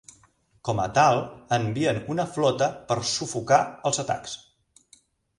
Com a tal, envien una flota per sufocar els atacs.